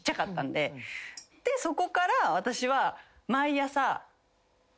でそこから私は毎朝。